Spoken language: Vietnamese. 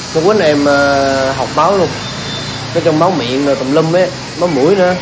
phúc văn em học báo luôn